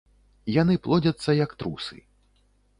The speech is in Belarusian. Яны плодзяцца як трусы.